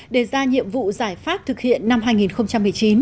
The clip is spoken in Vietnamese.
để ra nhiệm vụ giải pháp thực hiện năm hai nghìn một mươi chín